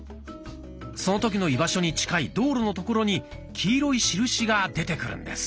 その時の居場所に近い道路の所に黄色い印が出てくるんです。